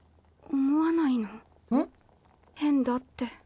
変だって。